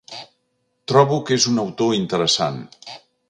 Trobo que és un autor interessant.